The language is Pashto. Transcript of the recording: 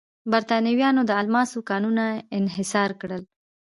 برېټانویانو د الماسو کانونه انحصار کړل.